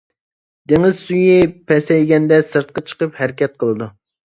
دېڭىز سۈيى پەسەيگەندە، سىرتقا چىقىپ ھەرىكەت قىلىدۇ.